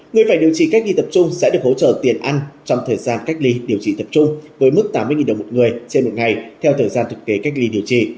người phải điều trị cách ly tập trung sẽ được hỗ trợ tiền ăn trong thời gian cách ly điều trị tập trung với mức tám mươi đồng một người trên một ngày theo thời gian thực kế cách ly điều trị